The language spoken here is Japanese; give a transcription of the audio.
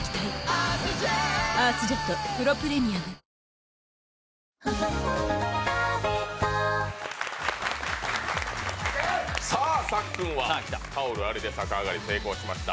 大豆麺キッコーマンさっくんはタオルありで逆上がり成功しました。